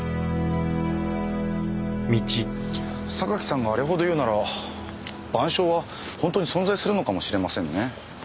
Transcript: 榊さんがあれほど言うなら『晩鐘』は本当に存在するのかもしれませんね。